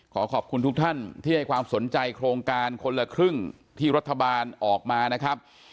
ขอขอบคุณทุกท่านที่ให้ความสนใจโครงการคนละครึ่งที่รัฐบาลออกมานะครับ